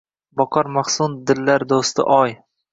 Boqar mahzun dillar doʻsti – oy.